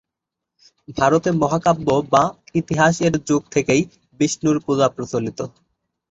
ভারতে মহাকাব্য বা "ইতিহাস"-এর যুগ থেকেই বিষ্ণুর পূজা প্রচলিত।